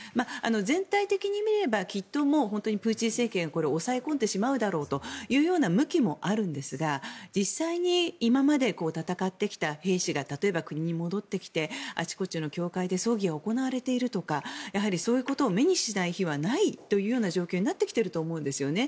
全体的に見ればきっとプーチン政権がこれ、抑え込んでしまうだろうという向きもあるんですが実際に今まで戦ってきた兵士が例えば国に戻ってきてあちこちの教会で葬儀が行われているとかそういうことを目にしない日はないという状況になってきていると思うんですよね。